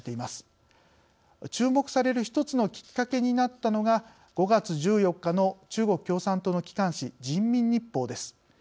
注目される一つのきっかけになったのが５月１４日の中国共産党の機関紙「人民日報」です。